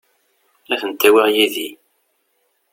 Ad tent-awiɣ yid-i.